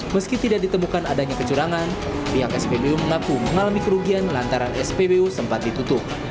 meski tidak ditemukan adanya kecurangan pihak spbu mengaku mengalami kerugian lantaran spbu sempat ditutup